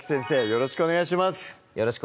よろしくお願いします